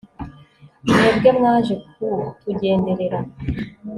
mwebwe mwaje kutugenderera